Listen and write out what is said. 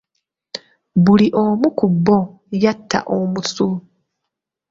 Buli omu ku bo yatta omusu.